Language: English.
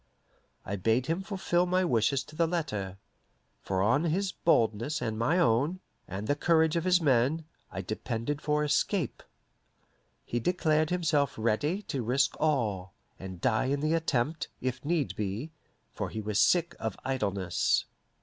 I bade him fulfill my wishes to the letter, for on his boldness and my own, and the courage of his men, I depended for escape. He declared himself ready to risk all, and die in the attempt, if need be, for he was sick of idleness.